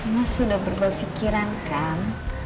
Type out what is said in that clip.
mas sudah berubah pikiran kan